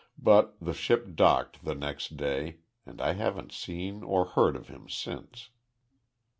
But the ship docked the next day and I haven't seen or heard of him since."